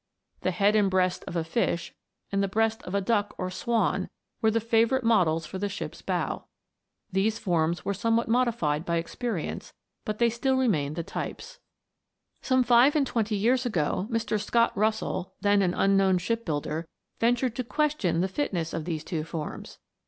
The head and breast of a fish, and the breast of a duck or swan, were the favourite models for the ship's bow. These forms were some vhat 316 THE WONDERFUL LAMP. modified by experience, but they still remained the types. Some five and twenty years ago, Mr. Scott Russell, then an unknown ship builder, ventured to question the fitness of these two forms.